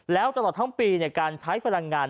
แล้วตลอดทั้งปีการใช้พลังงาน